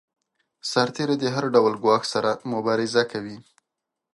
سرتیری د هر ډول ګواښ سره مبارزه کوي.